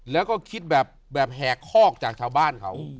แล้วก็คิดแบบแหกคอกจากชาวบ้านเขา